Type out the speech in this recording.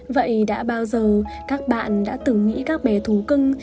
vậy đã bao giờ các bạn đã từng nghĩ các bé thú cưng